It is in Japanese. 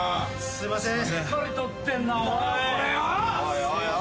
すいません。